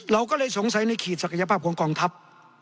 เราก็เลยสงสัยในขีดศักยภาพของกองทัพ